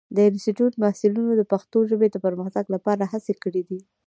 د انسټیټوت محصلینو د پښتو ژبې د پرمختګ لپاره هڅې کړې دي.